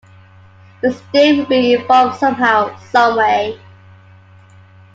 The Sting will be involved somehow, some way.